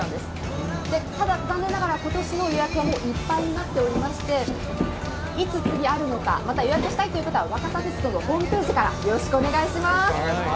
ただ残念ながら、今年の予約はいっぱいになっていまして、いつ次あるのか、予約したいという方は若桜鉄道ホームページからお願いします。